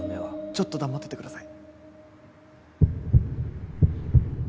ちょっと黙っててください